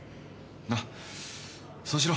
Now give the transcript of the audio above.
なっそうしろ。